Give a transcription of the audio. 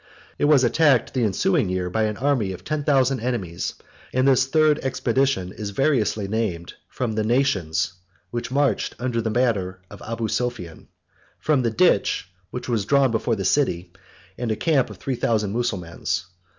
It was attacked the ensuing year by an army of ten thousand enemies; and this third expedition is variously named from the nations, which marched under the banner of Abu Sophian, from the ditch which was drawn before the city, and a camp of three thousand Mussulmans.